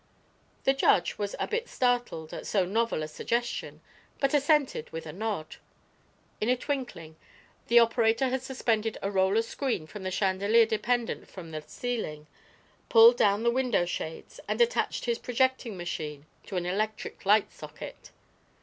The judge was a bit startled at so novel a suggestion but assented with a nod. In a twinkling the operator had suspended a roller screen from the chandelier dependent from the ceiling, pulled down the window shades and attached his projecting machine to an electric light socket.